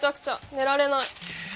寝られない。